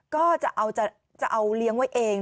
ก็จะเอาเลี้ยงไว้เอง